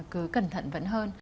cứ cẩn thận vẫn hơn